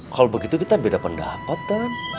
kalau begitu kita beda pendapatan